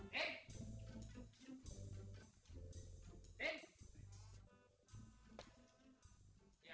gefuji rumah tuh